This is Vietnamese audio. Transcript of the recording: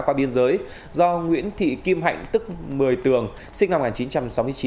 qua biên giới do nguyễn thị kim hạnh tức một mươi tường sinh năm một nghìn chín trăm sáu mươi chín